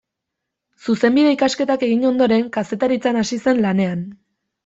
Zuzenbide-ikasketak egin ondoren, kazetaritzan hasi zen lanean.